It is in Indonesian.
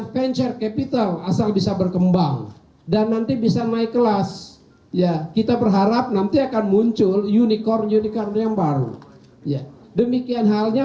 pemerintah juga mencari kekuatan ekonomi baru di indonesia